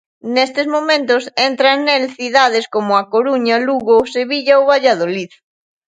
Nestes momentos entran nel cidades como A Coruña, Lugo, Sevilla ou Valladolid.